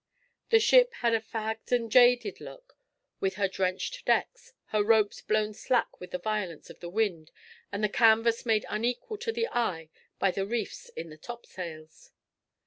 The ship had a fagged and jaded look with her drenched decks, her ropes blown slack with the violence of the wind, and the canvas made unequal to the eye by the reefs in the topsails.